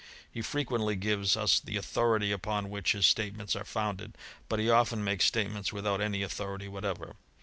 He frequently gives us the authority upon which his statements are founded; but he often makes. statements without any authority^" whatever.